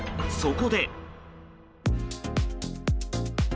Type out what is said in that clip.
そこで。